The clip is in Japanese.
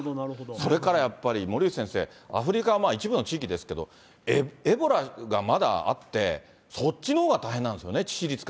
それからやっぱり森内先生、アフリカは一部の地域ですけれども、エボラがまだあって、そっちのほうが大変なんですよね、